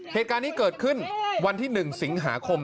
เหตุการณ์นี้เกิดขึ้นวันที่๑สิงหาคม